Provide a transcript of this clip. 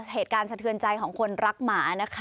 เหตุการณ์สะเทือนใจของคนรักหมา